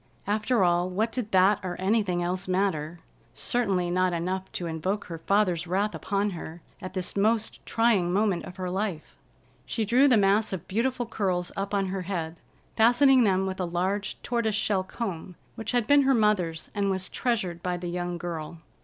After all, what did that or anything else matter? Certainly not enough to invoke her father's wrath upon her at this most trying moment of her life. She drew the mass of beautiful curls up on her head, fastening them with a large tortoise shell comb which had been her mother's and was treasured by the young girl.